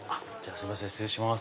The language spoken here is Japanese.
すいません失礼します。